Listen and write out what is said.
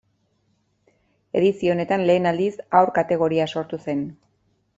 Edizio honetan lehen aldiz haur-kategoria sortu zen.